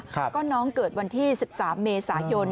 เพราะว่าน้องเกิดวันที่๑๓เมษายน